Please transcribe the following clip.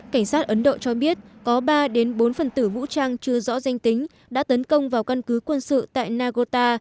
cảnh sát ấn độ cho biết có ba bốn phần tử vũ trang chưa rõ danh tính đã tấn công vào căn cứ quân sự tại nagota